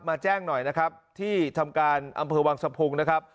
แจ้งหน่อยนะครับที่ทำการอำเภอวังสะพุงนะครับ